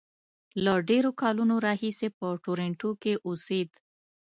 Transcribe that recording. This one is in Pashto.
له ډېرو کلونو راهیسې په ټورنټو کې اوسېد.